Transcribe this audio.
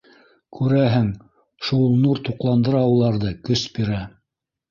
Күрәһең, шул нур туҡландыра уларҙы, көс бирә.